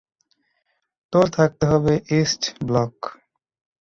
তোর থাকতে হবে ইস্ট ব্লক।